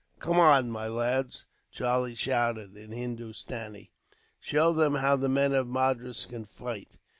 "Come on, my lads," Charlie shouted, in Hindostanee; "show them how the men of Madras can fight."